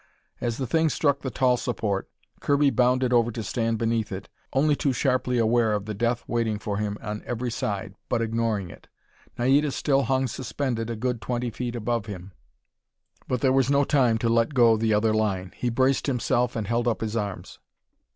As the thing struck the tall support, Kirby bounded over to stand beneath it, only too sharply aware of the death waiting for him on every side, but ignoring it. Naida still hung suspended a good twenty feet above him, but there was no time to let go the other line. He braced himself and held up his arms.